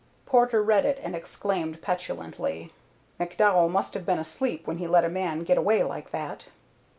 Porter read it and exclaimed petulantly, "McDowell must have been asleep when he let a man get away like that."